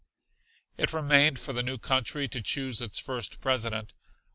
It remained for the new country to choose its first President.